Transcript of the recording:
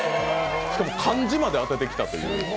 しかも漢字まで当ててきたと。